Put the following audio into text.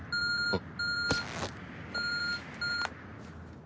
あっ。